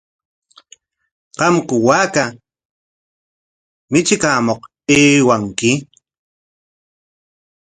¿Qamku waaka michikamuq aywanki?